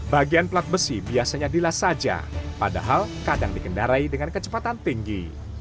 bagian plat besi biasanya dilas saja padahal kadang dikendarai dengan kecepatan tinggi